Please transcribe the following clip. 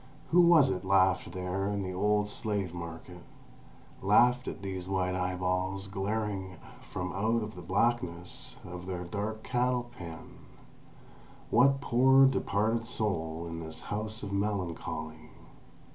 Who was it laughed there in the old slave market —laughed at these white eyeballs glaring from out of the blackness of their dark cattle pen? What poor departed soul in this House of Melancholy?